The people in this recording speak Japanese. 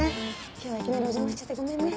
今日はいきなりお邪魔しちゃってごめんね。